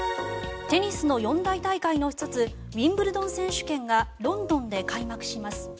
テニスの四大大会の１つウィンブルドン選手権がロンドンで開幕します。